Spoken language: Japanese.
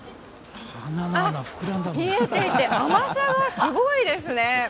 あっ、冷えていて、甘さがすごいですね。